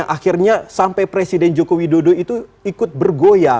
akhirnya sampai presiden jokowi dodo itu ikut bergoyang